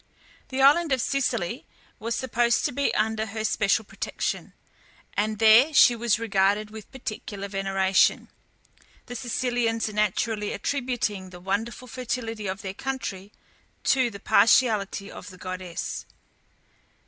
The island of Sicily was supposed to be under her especial protection, and there she was regarded with particular veneration, the Sicilians naturally attributing the wonderful fertility of their country to the partiality of the goddess.